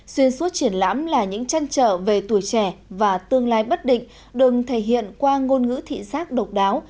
xuyên suốt triển lãm là những trăn trở về tuổi trẻ và tương lai bất định đừng thể hiện qua ngôn ngữ thị xác độc đáo